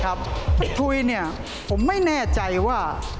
ครับถุยนี่ผมไม่แน่ใจว่า